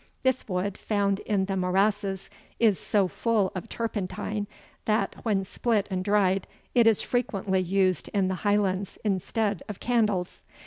This wood, found in the morasses, is so full of turpentine, that, when split and dried, it is frequently used in the Highlands instead of candles.